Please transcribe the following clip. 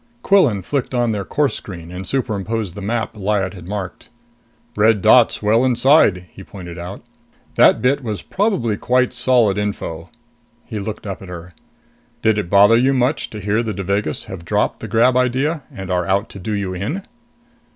Quillan flicked on their course screen and superimposed the map Lyad had marked. "Red dot's well inside," he pointed out. "That bit was probably quite solid info." He looked up at her. "Did it bother you much to hear the Devagas have dropped the grab idea and are out to do you in?"